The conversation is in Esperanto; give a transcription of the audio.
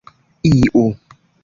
iu